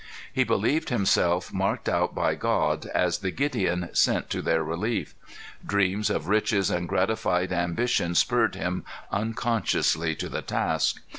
"He believed himself marked out by God, as the Gideon sent to their relief. Dreams of riches and gratified ambition spurred him unconsciously to the task.